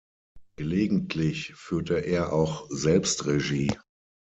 Gelegentlich führte er auch selbst Regie.